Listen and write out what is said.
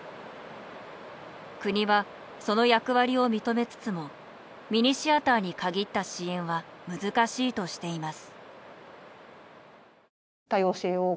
国はその役割を認めつつもミニシアターに限った支援は難しいとしています。